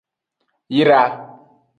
Yra.